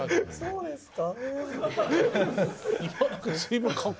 そうですか。